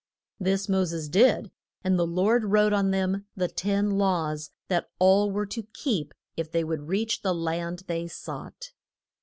This Mo ses did, and the Lord wrote on them the Ten Laws that all were to keep if they would reach the land they sought.